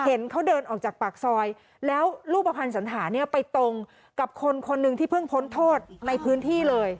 เห็นเขาเดินออกจากปากซอยแล้วรูปภัณฑ์สันหาเนี่ยไปตรงกับคนคนหนึ่งที่เพิ่งพ้นโทษในพื้นที่เลย